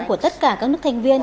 của tất cả các nước thành viên